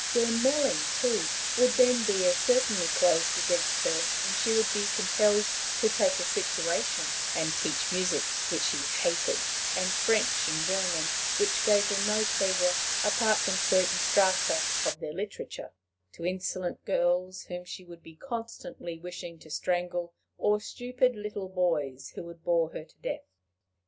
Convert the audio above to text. Durnmelling, too, would then be as certainly closed against her, and she would be compelled to take a situation, and teach music, which she hated, and French and German, which gave her no pleasure apart from certain strata of their literature, to insolent girls whom she would be constantly wishing to strangle, or stupid little boys who would bore her to death.